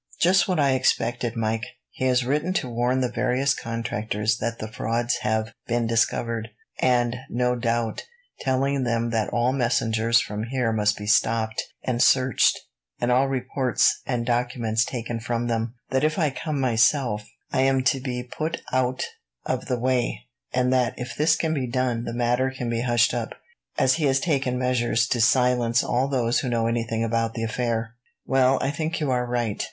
"Just what I expected, Mike. He has written to warn the various contractors that the frauds have been discovered, and, no doubt, telling them that all messengers from here must be stopped and searched, and all reports and documents taken from them; that if I come myself, I am to be put out of the way; and that if this can be done the matter can be hushed up, as he has taken measures to silence all those who know anything about the affair. "Well, I think you are right.